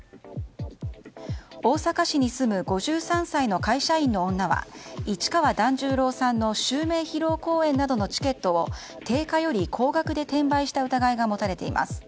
大阪市に住む５３歳の会社員の女は市川團十郎さんの襲名披露公演などのチケットを定価より高額で転売した疑いが持たれています。